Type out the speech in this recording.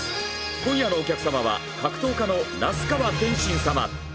今夜のお客様は格闘家の那須川天心様。